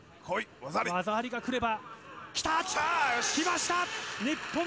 技ありがくれば。